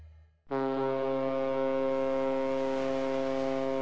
うん。